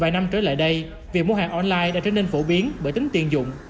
vài năm trở lại đây việc mua hàng online đã trở nên phổ biến bởi tính tiền dụng